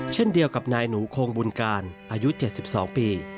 เช่นเดียวกับนายหนูโคงบุญการอายุ๗๒ปี